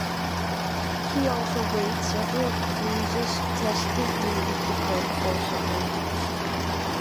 She also made several cruises testing new equipment for submarines.